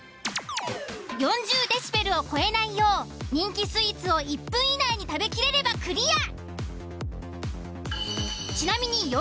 ４０ｄｂを超えないよう人気スイーツを１分以内に食べきれればクリア。